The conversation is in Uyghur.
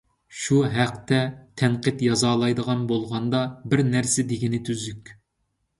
شۇ ھەقتە تەنقىد يازالايدىغان بولغاندا بىر نەرسە دېگىنى تۈزۈك.